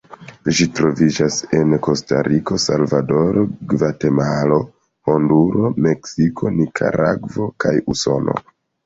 Ĝi troviĝas en Kostariko, Salvadoro, Gvatemalo, Honduro, Meksiko, Nikaragvo kaj Usono.